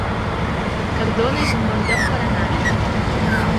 Cardona es un bon lloc per anar-hi